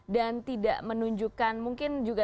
dan tidak menunjukkan mungkin juga